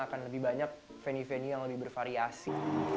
akan lebih banyak venue venue yang lebih bervariasi